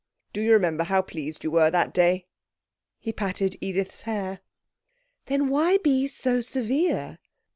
Do you remember how pleased you were that day?' He patted Edith's hair. 'Then why be so severe?'